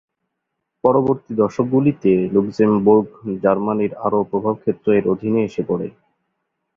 পরবর্তী দশকগুলিতে লুক্সেমবুর্গ জার্মানির আরও প্রভাব ক্ষেত্র এর অধীনে এসে পড়ে।